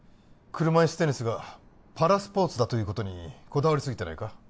車いすテニスがパラスポーツだということにこだわりすぎてないか？